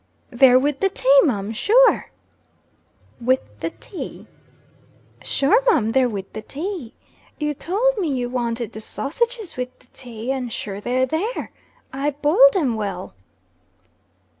"They're wid the ta mum, sure!" "With the tea?" "Sure, mum, they're wid the ta. Ye towld me yees wanted the sausages wid the ta; and sure they're there. I biled 'em well."